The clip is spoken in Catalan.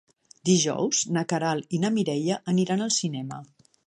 Dijous na Queralt i na Mireia aniran al cinema.